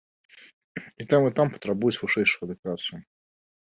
І там, і там патрабуюць вышэйшую адукацыю.